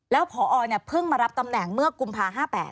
แล้วพอเพิ่งมารับตำแหน่งเมื่อกุมภา๕๘